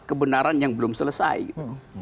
kebenaran yang belum selesai gitu